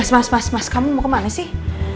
mas mas mas kamu mau kemana sih